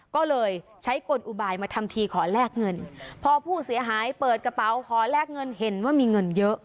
ก็เลยใช้กลอุบายมาทำทีขอแลกเงินพอผู้เสียหายเปิดกระเป๋าขอแลกเงินเห็นว่ามีเงินเยอะ